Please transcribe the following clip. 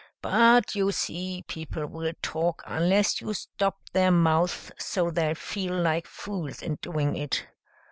But you see people will talk unless you stop their mouths so they'll feel like fools in doing it.